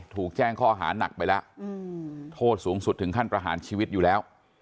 ถูกแจ้งข้อหานักไปแล้วโทษสูงสุดถึงขั้นประหารชีวิตอยู่แล้ว